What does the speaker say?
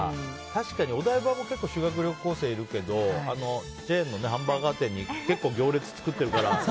確かにお台場も結構、修学旅行生いるけどチェーンのハンバーガー店に結構、行列作ってるから。